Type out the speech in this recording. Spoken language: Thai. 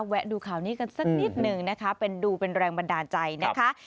แวะดูข่าวนี้กันสักนิดหนึ่งนะคะเป็นดูเป็นแรงบันดาลใจนะคะ